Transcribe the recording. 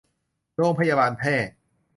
โรงพยาบาลแพร่